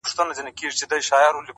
زما سره يې دومره ناځواني وكړله ـ